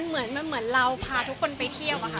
ใช่ค่ะมันเหมือนเราพาทุกคนไปเที่ยวอ่ะค่ะ